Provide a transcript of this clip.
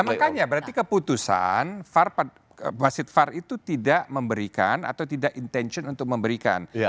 makanya berarti keputusan wasit far itu tidak memberikan atau tidak intension untuk memberikan